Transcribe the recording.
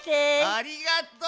ありがとう！